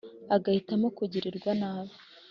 agahitamo kugirirwa nabi